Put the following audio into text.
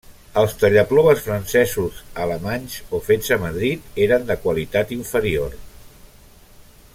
Els tallaplomes francesos, alemanys o fets a Madrid eren de qualitat inferior.